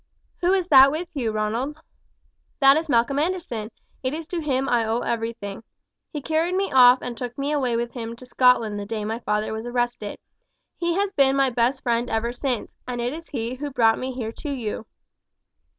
"Who is that with you, Ronald?" "That is Malcolm Anderson; it is to him I owe everything. He carried me off and took me away with him to Scotland the day my father was arrested. He has been my best friend ever since, and it is he who brought me here to you."